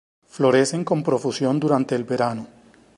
Florecen con profusión durante el verano.